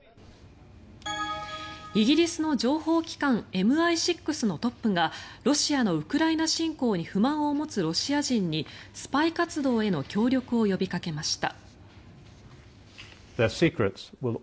イギリスの情報機関ＭＩ６のトップがロシアのウクライナ侵攻に不満を持つロシア人にスパイ活動への協力を呼びかけました。